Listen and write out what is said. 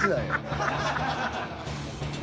ハハハハ！